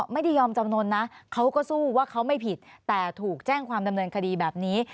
ไม่ยอมจำนวนนะเขาก็สู้ว่าเขาไม่ผิดแต่ถูกแจ้งความดำเนินคดีแบบนี้